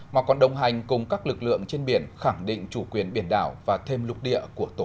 mà còn đồng hành cùng các lực lượng trên biển khẳng định chủ quyền biển đảo và thêm lục địa